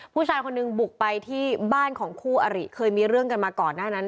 ผู้ชายคนหนึ่งบุกไปที่บ้านของคู่อริเคยมีเรื่องกันมาก่อนหน้านั้น